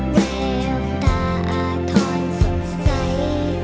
แววตาอาถอนสุดใส